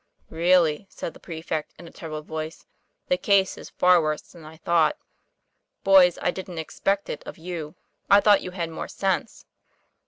' Really," said the prefect, in a troubled voice, ' the case is far worse than I thought. Boys, I didn't expect it of you. I thought you had more sense.'